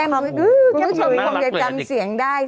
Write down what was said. ก็ไม่รู้สึกว่าคงจะจำเสียงได้